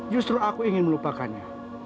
justru aku ingin melupakannya